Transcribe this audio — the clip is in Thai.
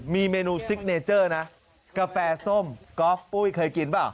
มีเมนูซิกเนเจอร์นะกาแฟส้มกอล์ฟปุ้ยเคยกินเปล่า